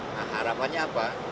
nah harapannya apa